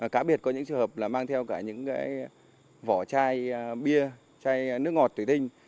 cả biệt có những trường hợp mang theo cả những vỏ chai bia chai nước ngọt tủy tinh